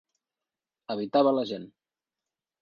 Evitava la gent.